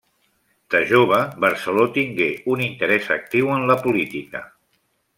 De jove, Barceló tingué un interès actiu en la política.